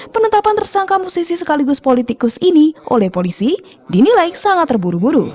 penetapan tersangka musisi sekaligus politikus ini oleh polisi dinilai sangat terburu buru